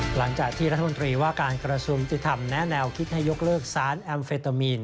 หลังจากที่รัฐมนตรีว่าการกระทรวงยุติธรรมแนะแนวคิดให้ยกเลิกสารแอมเฟตามีน